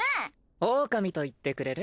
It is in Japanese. オオカミと言ってくれる？